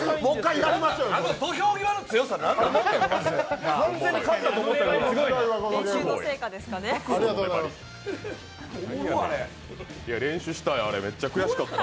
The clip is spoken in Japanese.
あの土俵際の強さ何なの？